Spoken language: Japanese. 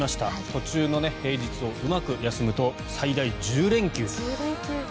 途中の平日をうまく休むと最大１０連休。